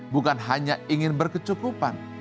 bukan hanya ingin berkecukupan